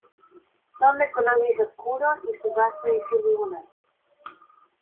Son de color gris oscuro y su base es irregular.